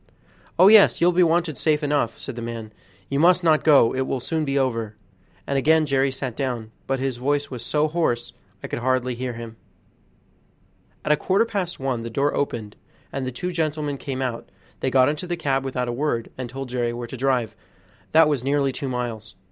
"Oh, yes, you'll be wanted safe enough," said the man; "you must not go, it will soon be over," and again Jerry sat down, but his voice was so hoarse I could hardly hear him. At a quarter past one the door opened, and the two gentlemen came out; they got into the cab without a word, and told Jerry where to drive, that was nearly two miles.